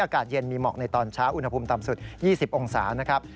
อากาศเย็นมีหมอกในตอนเช้าอุณหภูมิต่ำสุด๒๐องศานะครับ